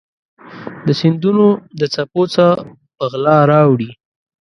د سیندونو د څپو څه په غلا راوړي